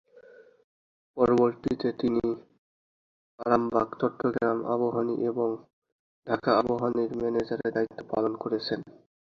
পরবর্তীতে তিনি আরামবাগ, চট্টগ্রাম আবাহনী এবং ঢাকা আবাহনীর ম্যানেজারের দায়িত্ব পালন করেছেন।